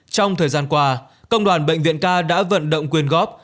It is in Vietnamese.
trong thời gian qua công đoàn bệnh viện k đã vận động quyền góp